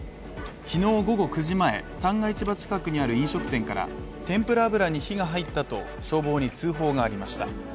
昨日午後９時前旦過市場近くにある飲食店から天ぷら油に火が入ったと消防に通報がありました。